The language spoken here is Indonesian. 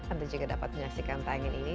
anda juga dapat menyaksikan tayangan ini